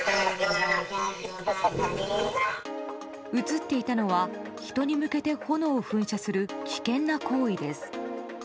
映っていたのは人に向けて炎を噴射する危険な行為です。